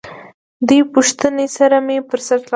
دې پوښتنې سره مې پر څټ لاس تېر کړ.